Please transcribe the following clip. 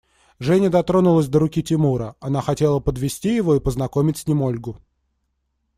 Женя дотронулась до руки Тимура: она хотела подвести его и познакомить с ним Ольгу.